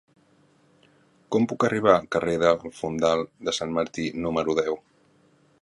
Com puc arribar al carrer del Fondal de Sant Martí número deu?